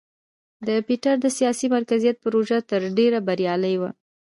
د پیټر د سیاسي مرکزیت پروژه تر ډېره بریالۍ وه.